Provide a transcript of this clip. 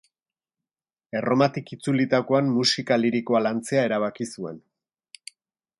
Erromatik itzulitakoan musika lirikoa lantzea erabaki zuen.